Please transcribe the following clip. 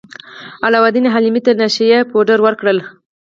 علاوالدین حلیمې ته نشه يي پوډر ورکړل.